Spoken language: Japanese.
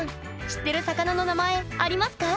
知ってる魚の名前ありますか？